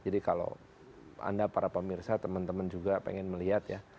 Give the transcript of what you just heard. kalau anda para pemirsa teman teman juga pengen melihat ya